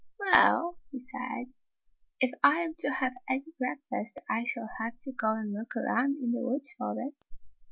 "Well," he said, "if I am to have any breakfast I shall have to go and look aroimd in the woods for it."